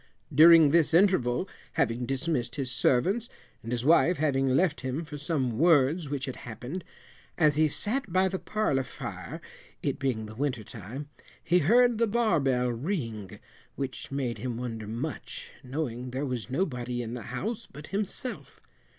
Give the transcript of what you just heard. During this interval, having dismissed his servants, and his wife having left him for some words which had happened, as he sat by the parlour fire, it being the winter time, he heard the bar bell ring, which made him wonder much, knowing there was nobody in the house but himself.